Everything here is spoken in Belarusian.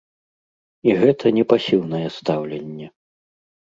І гэта не пасіўнае стаўленне.